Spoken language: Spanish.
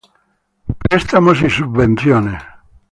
Préstamos y subvenciones